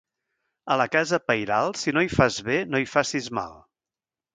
A la casa pairal, si no hi fas bé, no hi facis mal.